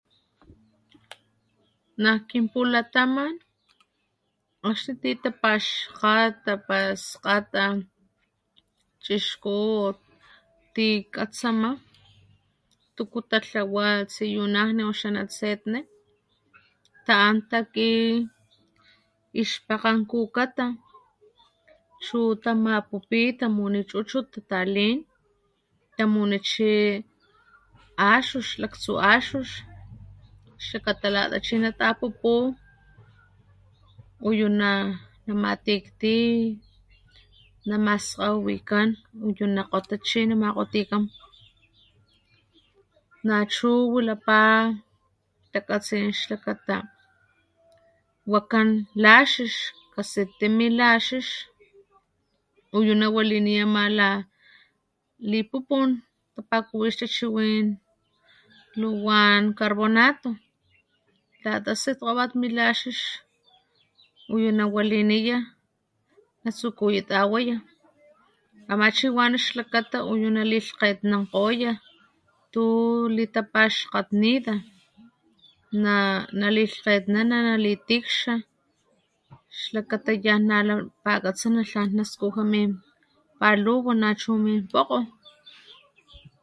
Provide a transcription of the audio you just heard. Nak kin pulataman akxni ti tapaxkgta para skgata o chixku o tikatsama tuku talhawa natsetne o tsiyunajni ta´an taki ix pakgen kukata chu tamapupi tamuni chuchut tatalin axux laktsu axux xlakata akxni lata chi namapupi uyu na matikti maskgawiwikan nuyu nakgota namakgotikan nachu wilaka xtakatsin wakan laxix kasitti mini uyu nawaliniya lipupun tapakuwi ix tachiwin luwan carbonato lata sitkgopat min laxix uyu nawaliniya carbonato natsukuya twaya ama chi wana xlikana uyu nalihkgetnankgoya tu litapaxkgatnita na lilhkgetnana nalitikxa xlakata yan la napakatsana tlan napakatsana nachu min pokgo